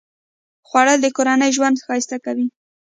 خوړل د کورنۍ ژوند ښایسته کوي